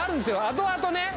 あとあとね